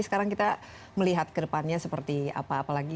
sekarang kita melihat ke depannya seperti apa apa lagi